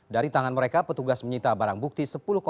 dari tangan mereka petugas menyita barang bukti